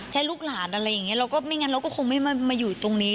ลูกหลานอะไรอย่างนี้เราก็ไม่งั้นเราก็คงไม่มาอยู่ตรงนี้